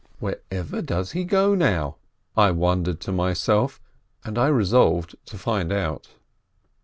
Wherever does he go, now? I wondered to myself, and I resolved to find out.